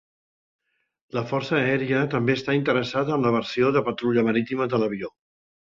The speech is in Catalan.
La Força Aèria també està interessada en la versió de patrulla marítima de l'avió.